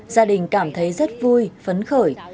gia đình cảm thấy rất vui phấn khởi